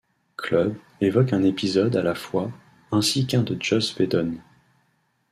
Club, évoque un épisode à la fois ainsi qu'un de Joss Whedon.